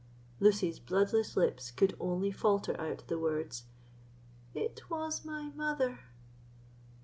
Lucy's bloodless lips could only falter out the words, "It was my mother."